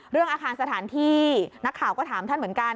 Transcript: เรื่องอาคารสถานที่นักข่าวก็ถามท่านเหมือนกัน